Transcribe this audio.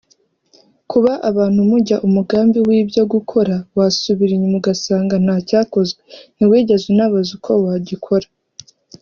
Kuba abantu mujya umugambi w’ibyo gukora wasubira inyuma ugasanga ntacyakozwe ntiwigeze unabaza uko wagikora